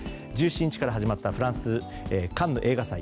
１７日から始まったフランス、カンヌ映画祭。